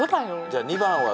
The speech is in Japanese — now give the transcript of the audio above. じゃあ２番は。